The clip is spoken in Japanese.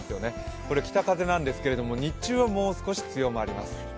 これ北風なんですけれども日中はもう少し弱まります。